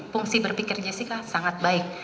fungsi berpikir jessica sangat baik